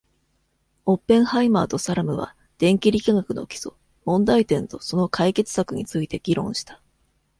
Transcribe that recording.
オッペンハイマーとサラムは、電気力学の基礎、問題点とその解決策について議論した。